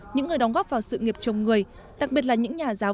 những người đóng góp vào sự nghiệp chồng người đặc biệt là những nhà giáo